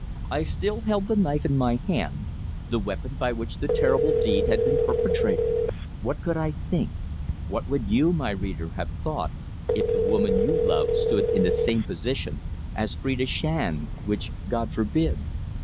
I still held the knife in my hand the weapon by which the terrible deed had been perpetrated. What could I think? What would you, my reader, have thought if the woman you love stood in the same position as Phrida Shand which God forbid?